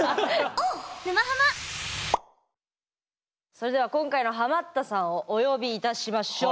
それでは今回のハマったさんをお呼びいたしましょう。